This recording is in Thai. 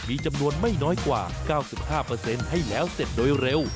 มีจำนวนไม่น้อยกว่า๙๕ให้แล้วเสร็จโดยเร็ว